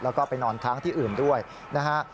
แล้วก็ไปนอนค้างที่อื่นด้วยนะฮะ